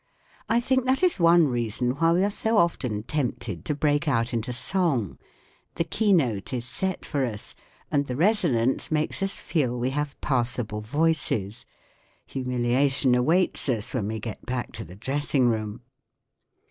I think that is one reason why we are so often tempted to break out into song ; the keynote is set for us and the resonance makes us feel we have passable voices. Humilia tion awaits us when we get back to the dressing room